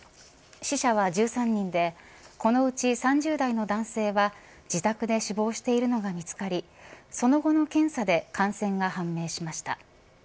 死者は１３人でこのうち３０代の男性は自宅で死亡しているのが見つかりその後の検査で感染が判明しました。